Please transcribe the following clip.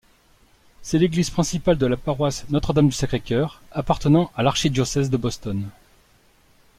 C'est l'église principale de la paroisse Notre-Dame du Sacré-Cœur appartenant à l'archidiocèse de Boston.